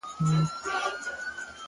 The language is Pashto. • تېرول چي مي کلونه هغه نه یم ,